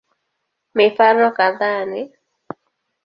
Mifano kadhaa ni